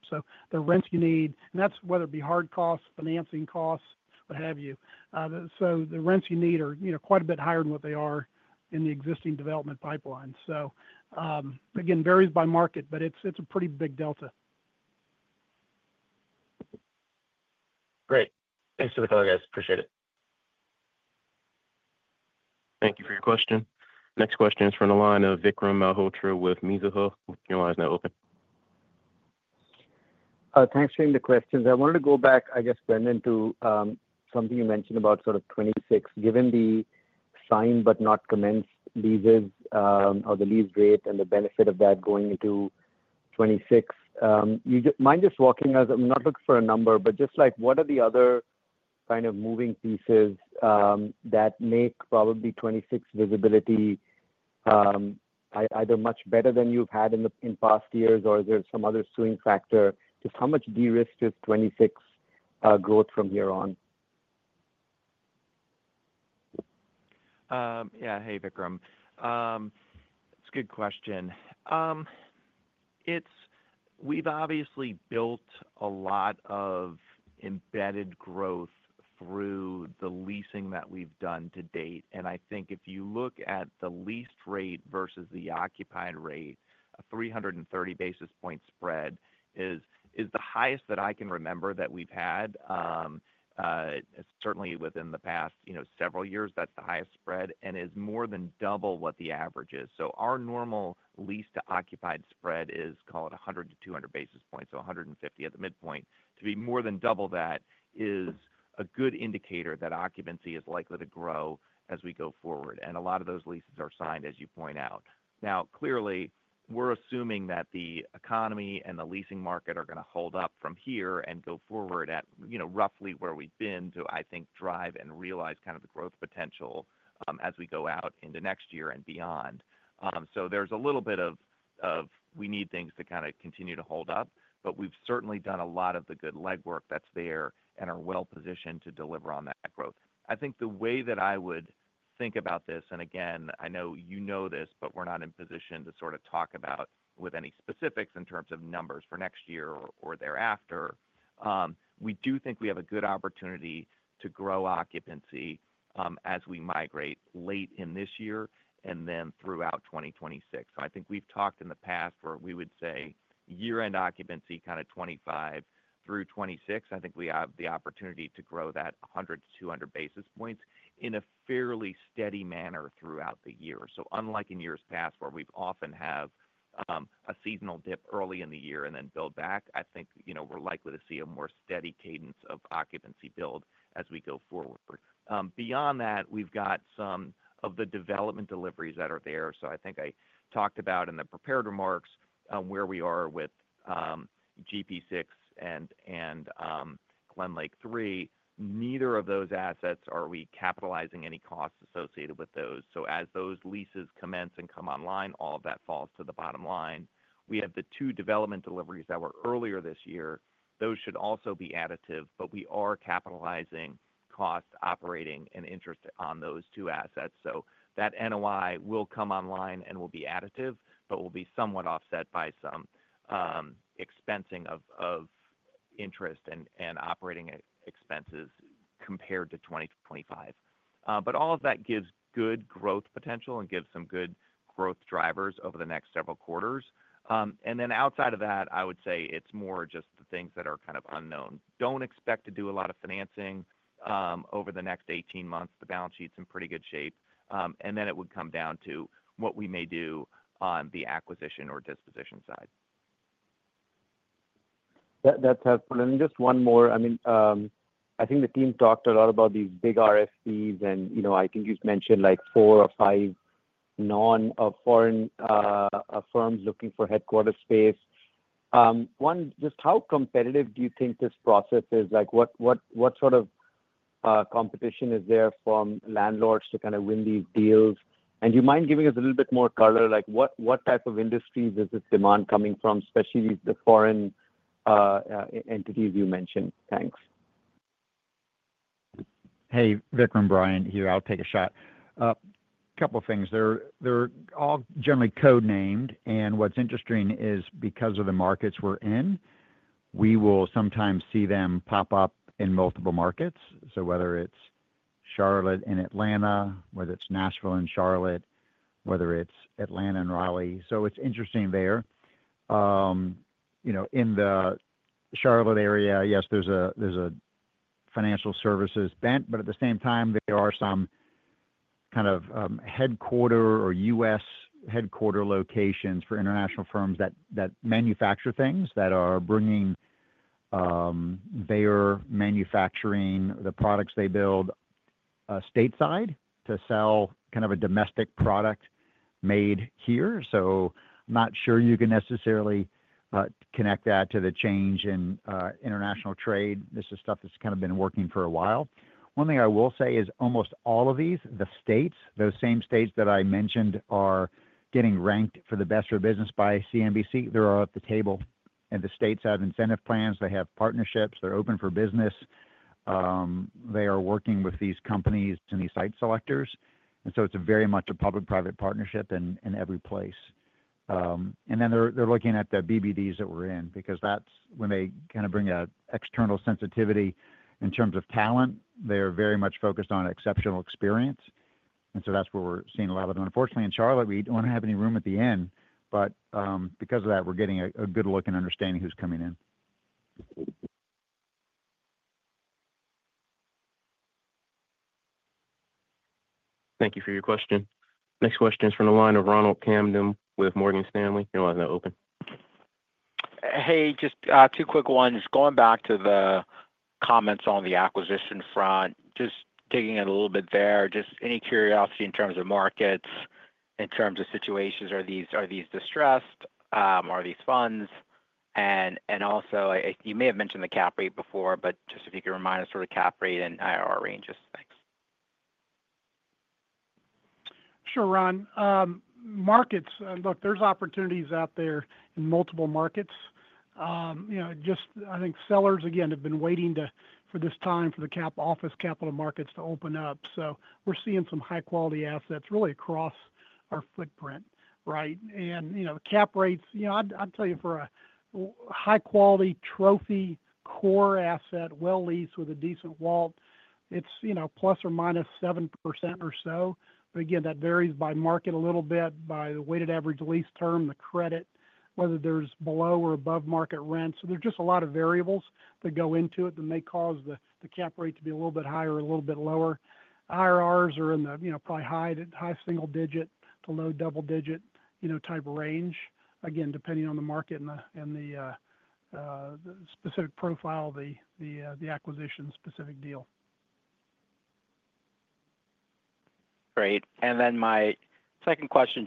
The rents you need, and that's whether it be hard costs, financing costs, what have you, the rents you need are quite a bit higher than what they are in the existing development pipelines. Again, varies by market, but it's a pretty big delta. Great. Thanks for the comment, guys. Appreciate it. Thank you for your question. Next question is from the line of Vikram Malhotra with Mizuho. Your line's now open. Thanks for the questions. I wanted to go back, I guess, Brendan, to something you mentioned about sort of 2026, given the signed but not yet commenced leases, or the lease rate and the benefit of that going into 2026. You just mind just walking us, I'm not looking for a number, but just like what are the other kind of moving pieces that make probably 2026 visibility either much better than you've had in the past years, or is there some other swing factor? Just how much de-risked is 2026 growth from here on? Yeah. Hey, Vikram. It's a good question. We've obviously built a lot of embedded growth through the leasing that we've done to date. I think if you look at the lease rate versus the occupied rate, a 330 basis point spread is the highest that I can remember that we've had. Certainly, within the past several years, that's the highest spread and is more than double what the average is. Our normal lease-to-occupied spread is, call it, 100-200 basis points, so 150 at the midpoint. To be more than double that is a good indicator that occupancy is likely to grow as we go forward. A lot of those leases are signed, as you point out. Now, clearly, we're assuming that the economy and the leasing market are going to hold up from here and go forward at roughly where we've been to, I think, drive and realize kind of the growth potential as we go out into next year and beyond. There's a little bit of, we need things to kind of continue to hold up, but we've certainly done a lot of the good legwork that's there and are well positioned to deliver on that growth. I think the way that I would think about this, and again, I know you know this, but we're not in position to sort of talk about with any specifics in terms of numbers for next year or thereafter. We do think we have a good opportunity to grow occupancy as we migrate late in this year and then throughout 2026. I think we've talked in the past where we would say year-end occupancy kind of 2025 through 2026. I think we have the opportunity to grow that 100-200 basis points in a fairly steady manner throughout the year. Unlike in years past where we often have a seasonal dip early in the year and then build back, I think we're likely to see a more steady cadence of occupancy build as we go forward. Beyond that, we've got some of the development deliveries that are there. I think I talked about in the prepared remarks where we are with Granite Park Six and GlenLake III. Neither of those assets are we capitalizing any costs associated with those. As those leases commence and come online, all of that falls to the bottom line. We have the two development deliveries that were earlier this year. Those should also be additive, but we are capitalizing costs, operating, and interest on those two assets. That NOI will come online and will be additive, but will be somewhat offset by some expensing of interest and operating expenses compared to 2025. All of that gives good growth potential and gives some good growth drivers over the next several quarters. Outside of that, I would say it's more just the things that are kind of unknown. Don't expect to do a lot of financing over the next 18 months. The balance sheet's in pretty good shape, and then it would come down to what we may do on the acquisition or disposition side. That's helpful. Just one more. I think the team talked a lot about these big RFPs, and I think you've mentioned like four or five non-foreign firms looking for headquarter space. Just how competitive do you think this process is? What sort of competition is there from landlords to kind of win these deals? Do you mind giving us a little bit more color? What type of industries is this demand coming from, especially the foreign entities you mentioned? Thanks. Hey, Vikram. Brian here. I'll take a shot. A couple of things. They're all generally code-named. What's interesting is because of the markets we're in, we will sometimes see them pop up in multiple markets, whether it's Charlotte and Atlanta, Nashville and Charlotte, or Atlanta and Raleigh. It's interesting there. You know, in the Charlotte area, yes, there's a financial services bent, but at the same time, there are some kind of headquarter or U.S. headquarter locations for international firms that manufacture things that are bringing their manufacturing, the products they build, stateside to sell kind of a domestic product made here. I'm not sure you can necessarily connect that to the change in international trade. This is stuff that's been working for a while. One thing I will say is almost all of these, those same states that I mentioned are getting ranked for the best for business by CNBC. They're all at the table. The states have incentive plans. They have partnerships. They're open for business. They are working with these companies and these site selectors. It's very much a public-private partnership in every place. They're looking at the BBDs that we're in because that's when they bring an external sensitivity in terms of talent. They are very much focused on exceptional experience. That's where we're seeing a lot of them. Unfortunately, in Charlotte, we don't have any room at the inn, but because of that, we're getting a good look and understanding who's coming in. Thank you for your question. Next question is from the line of Ronald Kamdem with Morgan Stanley. Your line's now open. Hey, just two quick ones. Going back to the comments on the acquisition front, just digging in a little bit there, any curiosity in terms of markets, in terms of situations, are these distressed? Are these funds? Also, you may have mentioned the cap rate before, but if you could remind us what the cap rate and IR ranges are. Thanks. Sure, Ron. Markets, look, there's opportunities out there in multiple markets. I think sellers, again, have been waiting for this time for the office capital markets to open up. We're seeing some high-quality assets really across our footprint, right? The cap rates, I'd tell you for a high-quality trophy core asset well leased with a decent wallet, it's plus or minus 7% or so. That varies by market a little bit, by the weighted average lease term, the credit, whether there's below or above market rent. There's just a lot of variables that go into it that may cause the cap rate to be a little bit higher or a little bit lower. IRRs are in the probably high single-digit to low double-digit type of range, again, depending on the market and the specific profile of the acquisition-specific deal. Great. My second question,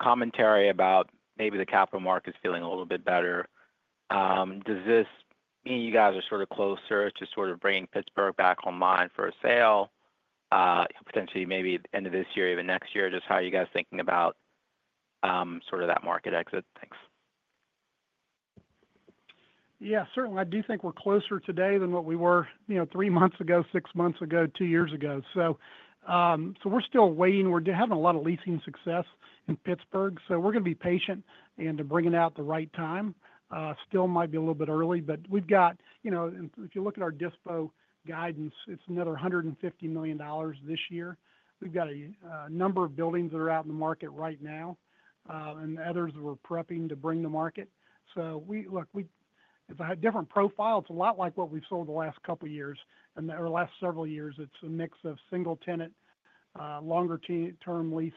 commentary about maybe the capital markets feeling a little bit better. Does this mean you guys are sort of closer to bringing Pittsburgh back online for a sale, potentially maybe the end of this year, even next year? How are you guys thinking about that market exit? Thanks. Yeah, certainly. I do think we're closer today than what we were three months ago, six months ago, two years ago. We're still waiting. We're having a lot of leasing success in Pittsburgh. We're going to be patient and bring it out at the right time. It still might be a little bit early, but we've got, if you look at our dispo guidance, it's another $150 million this year. We've got a number of buildings that are out in the market right now, and others that we're prepping to bring to market. We have a different profile. It's a lot like what we've sold the last couple of years or last several years. It's a mix of single-tenant, longer-term lease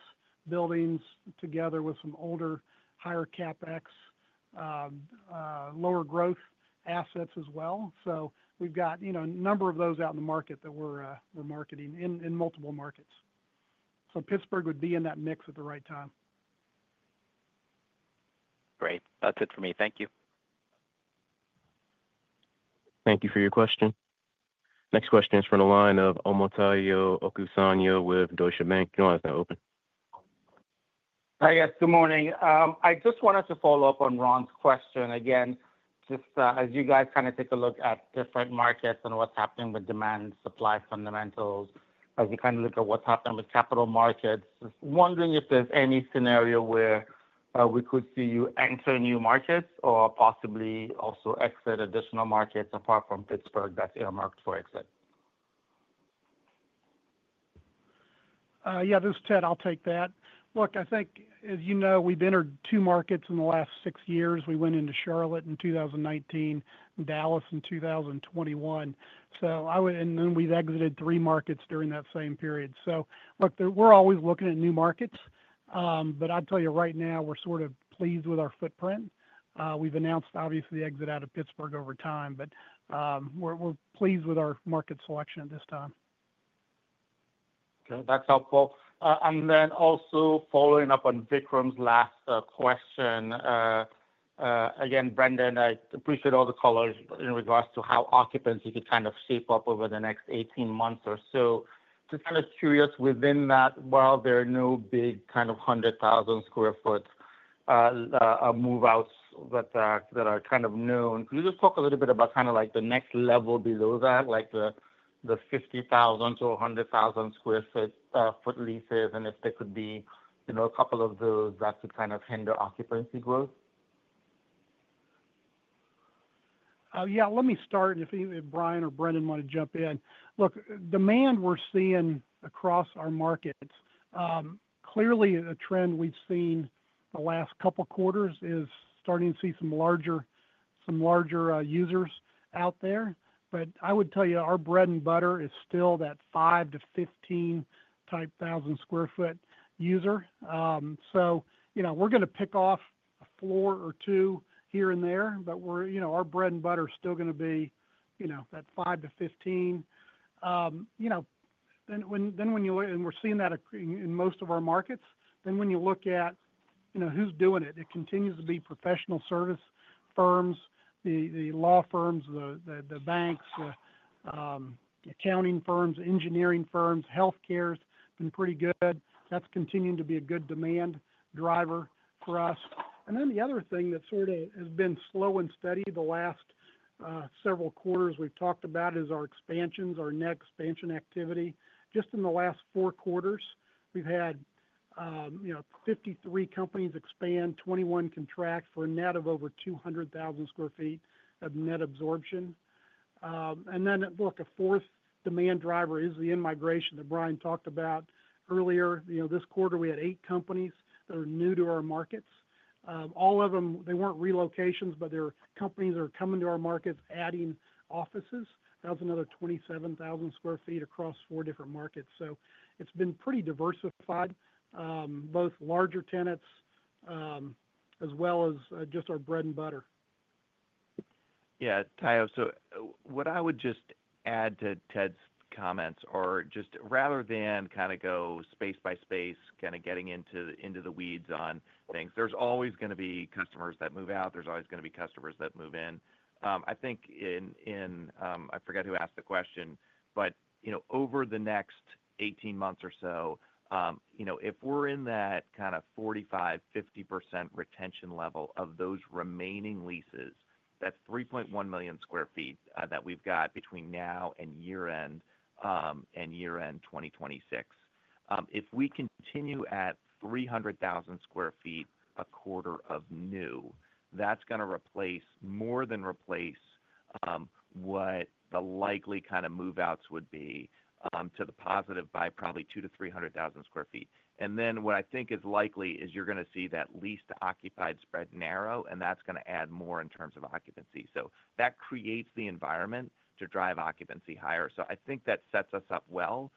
buildings together with some older, higher CapEx, lower growth assets as well. We've got a number of those out in the market that we're marketing in multiple markets. Pittsburgh would be in that mix at the right time. Great. That's it for me. Thank you. Thank you for your question. Next question is from the line of Omotayo Okusanya with Deutsche Bank. Your line's now open. Hi, yes. Good morning. I just wanted to follow up on Ron's question. As you guys kind of take a look at different markets and what's happening with demand, supply fundamentals, as you kind of look at what's happening with capital markets, just wondering if there's any scenario where we could see you enter new markets or possibly also exit additional markets apart from Pittsburgh that's earmarked for exit. Yeah, this is Ted. I'll take that. Look, I think, as you know, we've entered two markets in the last six years. We went into Charlotte in 2019 and Dallas in 2021. I would, and then we've exited three markets during that same period. We're always looking at new markets. I'd tell you right now, we're sort of pleased with our footprint. We've announced, obviously, the exit out of Pittsburgh over time, but we're pleased with our market selection at this time. Okay. That's helpful. Also, following up on Vikram's last question, Brendan, I appreciate all the color in regards to how occupancy could kind of shape up over the next 18 months or so. Just kind of curious, within that, while there are no big kind of 100,000 sq ft move-outs that are kind of known, could you just talk a little bit about the next level below that, like the 50,000 sq ft-100,000 sq ft leases, and if there could be a couple of those that could kind of hinder occupancy growth? Yeah, let me start. If Brian or Brendan want to jump in, look, demand we're seeing across our markets, clearly a trend we've seen the last couple of quarters is starting to see some larger users out there. I would tell you, our bread and butter is still that 5,000 sq ft-15,000 sq ft user. You know, we're going to pick off a floor or two here and there, but our bread and butter is still going to be that 5,000 sq ft-15,000 sq ft. You know, when you look, and we're seeing that in most of our markets, when you look at who's doing it, it continues to be professional service firms, the law firms, the banks, the accounting firms, engineering firms. Healthcare has been pretty good. That's continuing to be a good demand driver for us. The other thing that has been slow and steady the last several quarters we've talked about is our expansions, our net expansion activity. In the last four quarters, we've had 53 companies expand, 21 contract, for a net of over 200,000 sq ft of net absorption. A fourth demand driver is the in-migration that Brian talked about earlier. This quarter, we had eight companies that are new to our markets. All of them weren't relocations, but they're companies that are coming to our markets, adding offices. That was another 27,000 sq ft across four different markets. It's been pretty diversified, both larger tenants as well as just our bread and butter. Yeah, Tio, what I would just add to Ted's comments are just rather than kind of go space by space, getting into the weeds on things, there's always going to be customers that move out. There's always going to be customers that move in. I think, I forget who asked the question, but over the next 18 months or so, if we're in that kind of 45%-50% retention level of those remaining leases, that's 3.1 million sq ft that we've got between now and year-end, and year-end 2026. If we continue at 300,000 sq ft a quarter of new, that's going to replace, more than replace, what the likely kind of move-outs would be, to the positive by probably 200,000 sq ft-300,000 sq ft. What I think is likely is you're going to see that least occupied spread narrow, and that's going to add more in terms of occupancy. That creates the environment to drive occupancy higher. I think that sets us up well.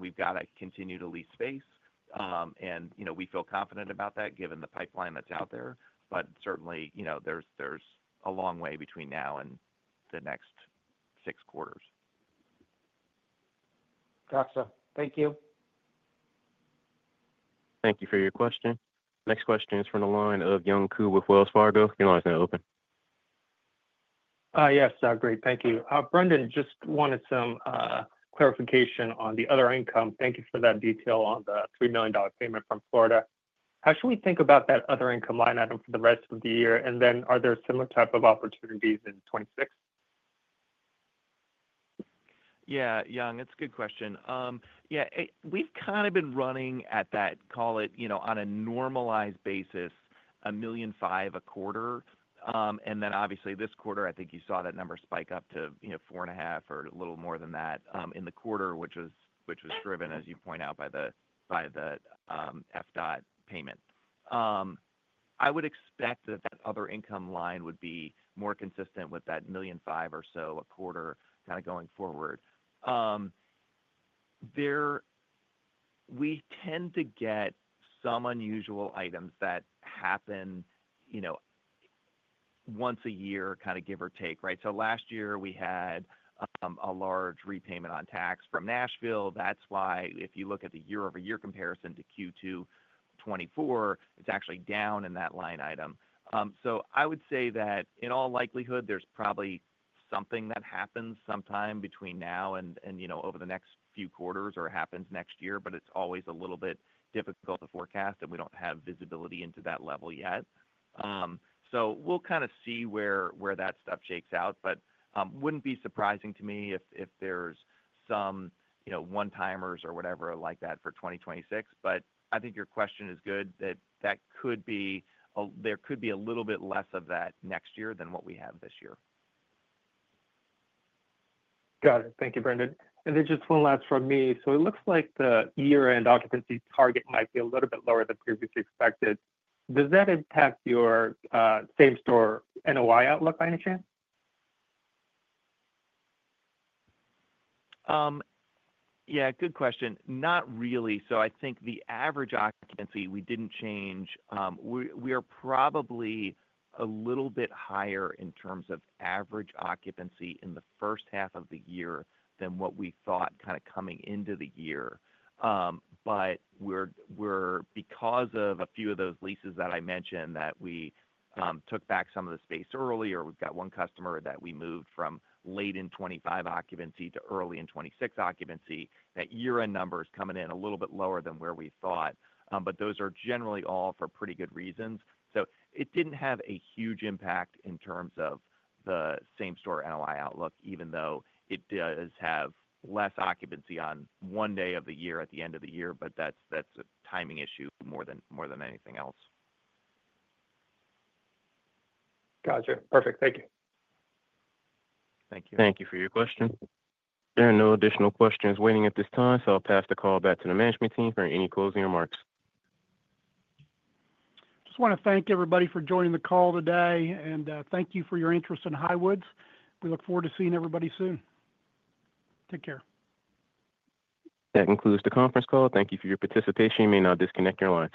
We've got to continue to lease space, and we feel confident about that given the pipeline that's out there. Certainly, there's a long way between now and the next six quarters. Gotcha. Thank you. Thank you for your question. Next question is from the line of Young Ku with Wells Fargo. Your line's now open. Yes. Great. Thank you. Brendan, just wanted some clarification on the other income. Thank you for that detail on the $3 million payment from Florida. How should we think about that other income line item for the rest of the year? Are there similar types of opportunities in 2026? Yeah, Young, that's a good question. Yeah, we've kind of been running at that, call it, you know, on a normalized basis, $1.5 million a quarter. And then obviously this quarter, I think you saw that number spike up to, you know, $4.5 million or a little more than that in the quarter, which was driven, as you point out, by the FDOT payment. I would expect that that other income line would be more consistent with that $1.5 million or so a quarter going forward. We tend to get some unusual items that happen, you know, once a year, kind of give or take, right? Last year, we had a large repayment on tax from Nashville. That's why if you look at the year-over-year comparison to Q2 2024, it's actually down in that line item. I would say that in all likelihood, there's probably something that happens sometime between now and, you know, over the next few quarters or happens next year, but it's always a little bit difficult to forecast, and we don't have visibility into that level yet. We'll kind of see where that stuff shakes out. Wouldn't be surprising to me if there's some, you know, one-timers or whatever like that for 2026. I think your question is good that there could be a little bit less of that next year than what we have this year. Got it. Thank you, Brendan. Just one last from me. It looks like the year-end occupancy target might be a little bit lower than previously expected. Does that impact your same-store NOI outlook by any chance? Yeah, good question. Not really. I think the average occupancy we didn't change. We are probably a little bit higher in terms of average occupancy in the first half of the year than what we thought coming into the year. We're, because of a few of those leases that I mentioned that we took back some of the space earlier, we've got one customer that we moved from late in 2025 occupancy to early in 2026 occupancy. That year-end number is coming in a little bit lower than where we thought, but those are generally all for pretty good reasons. It didn't have a huge impact in terms of the same-store NOI outlook, even though it does have less occupancy on one day of the year at the end of the year. That's a timing issue more than anything else. Gotcha. Perfect. Thank you. Thank you. Thank you for your question. There are no additional questions waiting at this time, so I'll pass the call back to the management team for any closing remarks. Just want to thank everybody for joining the call today, and thank you for your interest in Highwoods Properties. We look forward to seeing everybody soon. Take care. That concludes the conference call. Thank you for your participation. You may now disconnect your line.